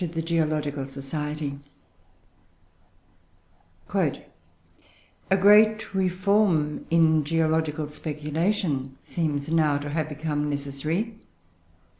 X GEOLOGICAL REFORM "A great reform in geological speculation seems now to have become necessary."